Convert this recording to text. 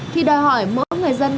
thì đòi hỏi mỗi người dân